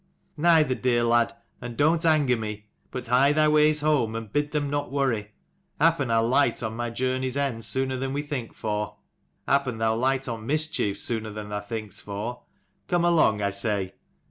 "Neither, dear lad: and don't anger me, but hie thy ways home, and bid them not worry. Happen I'll light on my journey's end sooner than we think for." "Happen thou'll light on mischief sooner than thou think'st for. Come along, I say."